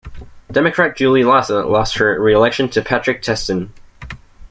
Democrat Julie Lassa lost her re-election to Patrick Testin.